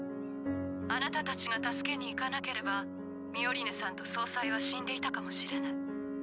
あなたたちが助けに行かなければミオリネさんと総裁は死んでいたかもしれない。